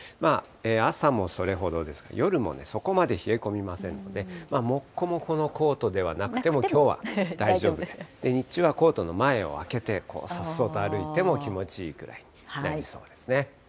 朝もそれほどですが、夜もそこまで冷え込みませんので、もっこもこのコートでなくてもきょうは大丈夫で、日中はコートの前を開けて、さっそうと歩いても気持ちいいくらいになりそうですね。